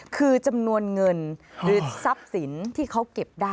คือจำนวนเงินหรือทรัพย์สินที่เขาเก็บได้